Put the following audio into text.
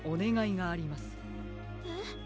えっ？